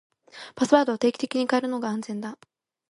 パスワードは定期的に変えるのが安全だ。